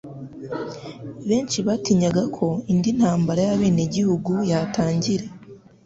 Benshi batinyaga ko indi ntambara y'abenegihugu yatangira.